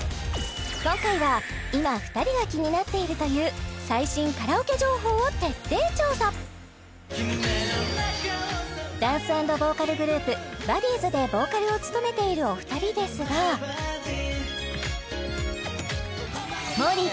今回は今２人が気になっているという最新カラオケ情報を徹底調査ダンス＆ボーカルグループＢＵＤＤｉｉＳでボーカルを務めているお二人ですがもーりー